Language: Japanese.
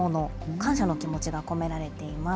感謝の気持ちが込められています。